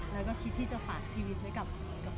และคิดที่จะฝากชีวิตด้วยกับเขา